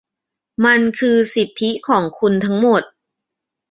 มันคือสิทธิของคุณทั้งหมด